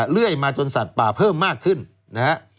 เรื่อยมาจนสัตว์ป่าเพิ่มมากขึ้นนะฮะ